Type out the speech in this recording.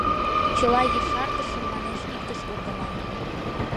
Чыла ешартышым, манеш, иктыш ургыман.